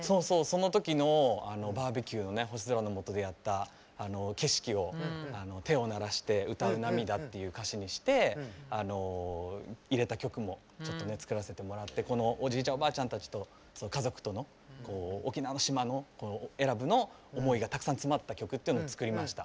その時のバーベキューをね星空のもとでやった景色を「手を鳴らして歌う涙」っていう歌詞にして入れた曲も作らせてもらってこのおじいちゃんおばあちゃんたちと家族との沖縄の島の永良部の思いがたくさん詰まった曲っていうのを作りました。